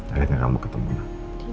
harapnya kamu ketemu lah